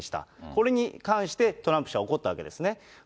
これに関して、トランプ氏は怒ったわけですね。